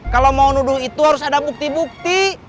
kalau mau nuduh itu harus ada bukti bukti